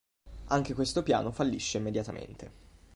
Anche questo piano fallisce immediatamente.